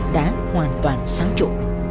đã hoàn toàn sáng trụ